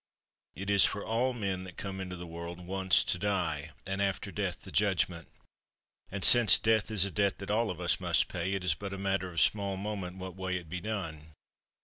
It is for all men that come into the world once to die; and after death the judgment! And since death is a debt that ail of us must pay, it is but a matter of small moment what way it be done.